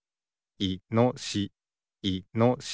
いのしし。